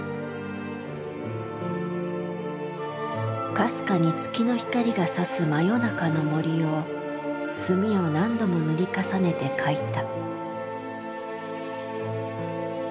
かすかに月の光がさす真夜中の森を墨を何度も塗り重ねて描いた。